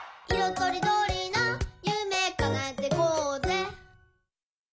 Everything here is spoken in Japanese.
とりどりなゆめかなえてこうぜ！」